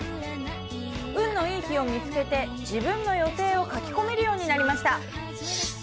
運のいい日を見つけて自分の予定を書き込めるようになりました。